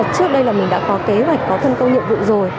trước đây là mình đã có kế hoạch có thân công nhiệm vụ rồi